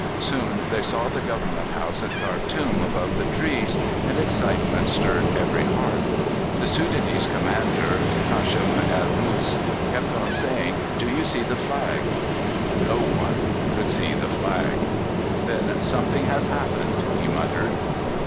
Soon they saw the Government House at Khartoum above the trees, and excitement stirred every heart. The Soudanese commander, Khashm el Mus, kept on saying, "Do you see the flag?" No one could see the flag. "Then something has happened!" he muttered.